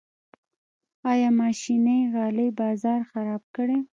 آیا ماشیني غالۍ بازار خراب کړی؟